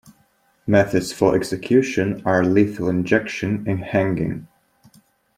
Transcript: Methods for execution are lethal injection and hanging.